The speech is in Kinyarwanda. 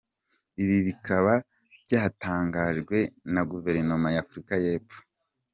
Ibi bikaba byatangajwe na guverinoma ya Afurika y’Epfo.